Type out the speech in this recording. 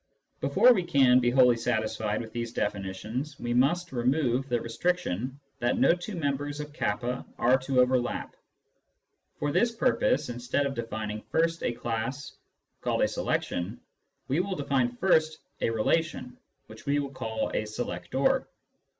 Before we can be wholly satisfied with these definitions, we must remove the restriction that no two members of k are to overlap. For this purpose, instead of defining first a class called a " selection," we will define first a relation which we will call a " selector."